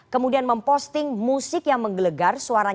kemudian memposting musik yang menggelegar suaranya